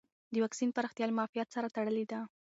د واکسین پراختیا له معافیت سره تړلې ده.